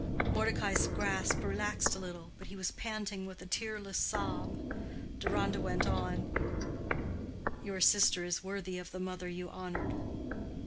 Mordecai's grasp relaxed a little, but he was panting with a tearless sob. Deronda went on: "Your sister is worthy of the mother you honored."